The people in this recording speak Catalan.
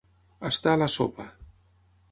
Estar a la sopa.